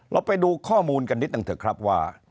เราไปดูข้อมูลกันนิดนึงเถอะครับว่า